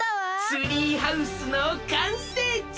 ツリーハウスのかんせいじゃ！